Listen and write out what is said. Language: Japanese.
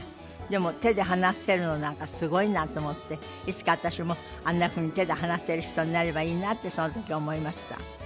でも手で話せるのなんかすごいなと思っていつか私もあんなふうに手で話せる人になればいいなとその時思いました。